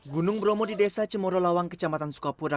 gunung bromo di desa cemoro lawang kecamatan sukapura